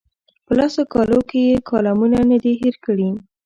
په لسو کالو کې یې کالمونه نه دي هېر کړي.